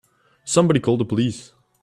Somebody call the police!